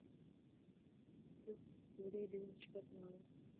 ټوسټ ډوډۍ د وینې شکره متوازنه ساتي.